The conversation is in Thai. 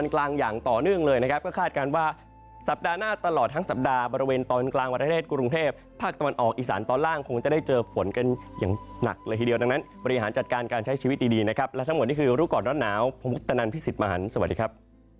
ก็คาดการณ์ว่าสัปดาห์หน้าตลอดทั้งสัปดาห์บริเวณตอนกลางวันอเทศกรุงเทพภาคตอนออกอีสานตอนล่างคงจะได้เจอฝนกันอย่างหนักเลยทีเดียวดังนั้นบริหารจัดการการใช้ชีวิตดีนะครับและทั้งหมดนี้คือรูปกรณ์รถหนาวผมพุทธนันทร์พี่สิทธิ์มหานสวัสดีครับ